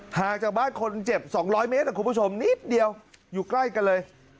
ห่างจากบ้านคนเจ็บ๒๐๐เมตรคุณผู้ชมนิดเดียวอยู่ใกล้กันเลย